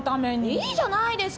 いいじゃないですか。